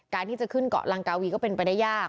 ที่จะขึ้นเกาะลังกาวีก็เป็นไปได้ยาก